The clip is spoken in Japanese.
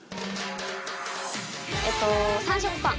えっと『３色パン』。